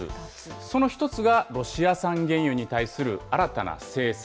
その１つがロシア産原油に対する新たな制裁。